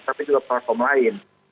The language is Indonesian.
tapi juga platform lain